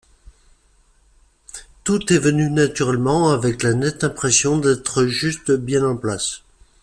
Tout est venu naturellement avec la nette impression d'être juste bien en place.